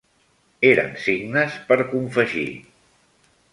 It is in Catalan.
Eren signes per confegir